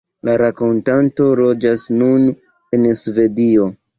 La rakontanto loĝas nun en Svedio.